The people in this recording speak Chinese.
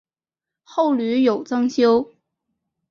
后屡有增修。